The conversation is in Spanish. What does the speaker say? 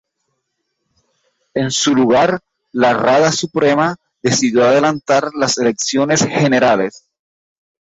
En su lugar, la Rada Suprema decidió adelantar las elecciones generales.